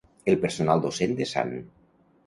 El personal docent de Sant.